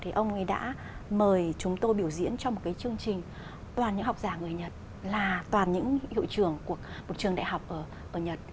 thì ông ấy đã mời chúng tôi biểu diễn cho một cái chương trình toàn những học giả người nhật là toàn những hiệu trưởng của một trường đại học ở nhật